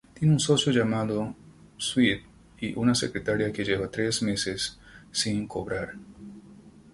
Tiene un socio llamado Swift y una secretaria que lleva tres meses sin cobrar.